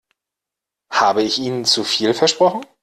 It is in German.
Habe ich Ihnen zu viel versprochen?